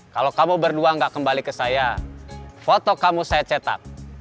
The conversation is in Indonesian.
kalau kamu berdua gak kembali ke saya foto kamu saya cetak